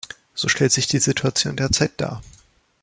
So stellt sich die Situation derzeit dar.